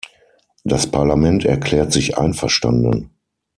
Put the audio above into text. Das Parlament erklärt sich einverstanden.